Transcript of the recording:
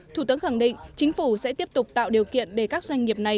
thủ tướng khẳng định chính phủ sẽ tiếp tục tạo điều kiện để các doanh nghiệp này